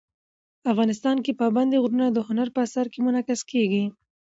افغانستان کې پابندی غرونه د هنر په اثار کې منعکس کېږي.